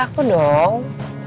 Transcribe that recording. tunggu tunggu tunggu